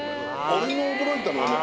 俺が驚いたのはね